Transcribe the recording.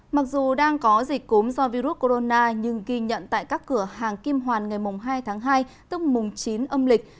mặc dù đang có dịch cốm do virus corona nhưng ghi nhận tại các cửa hàng kim hoàn ngày hai tháng hai tức mùng chín âm lịch